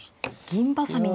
銀挟み。